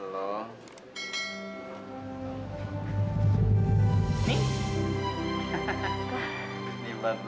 ini bendaannya buat lo